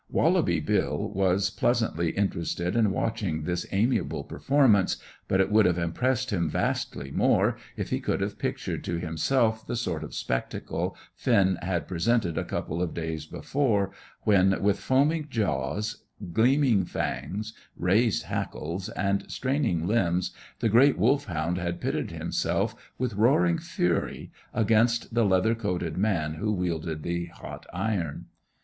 Wallaby Bill was pleasantly interested in watching this amiable performance, but it would have impressed him vastly more if he could have pictured to himself the sort of spectacle Finn had presented a couple of days before, when, with foaming jaws, gleaming fangs, raised hackles, and straining limbs, the great Wolfhound had pitted himself, with roaring fury, against the leather coated man who wielded the hot iron.